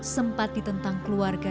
sempat ditentang keluarga